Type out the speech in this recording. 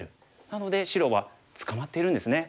なので白は捕まっているんですね。